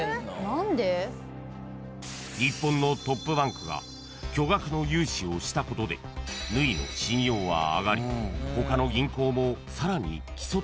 ［日本のトップバンクが巨額の融資をしたことで縫の信用は上がり他の銀行もさらに競って融資をするように］